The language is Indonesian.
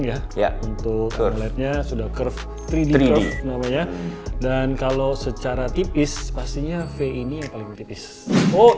ya untuk toiletnya sudah curve tiga drop namanya dan kalau secara tipis pastinya v ini yang paling tipis oh